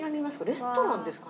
レストランですか？